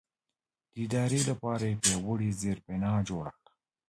د ادارې لپاره یې پیاوړې زېربنا جوړه کړه.